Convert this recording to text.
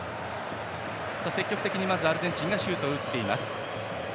積極的にまずアルゼンチンがシュートを打っています。